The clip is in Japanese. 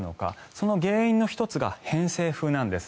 その原因の１つが偏西風なんです。